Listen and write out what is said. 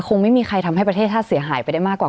คงไม่มีใครทำให้ประเทศชาติเสียหายไปได้มากกว่า